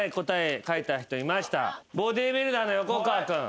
ボディビルダーの横川君。